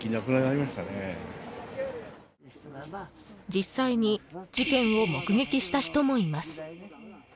［実際に事件を目撃した人もいます］